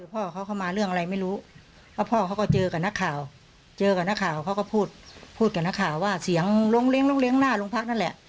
พ่อเขาเข้ามาเรื่องอะไรไม่รู้แล้วพ่อเขาก็เจอกับนักข่าวเจอกับนักข่าวเขาก็พูดพูดกับนักข่าวว่าเสียงลงเลี้ยหน้าโรงพักนั่นแหละ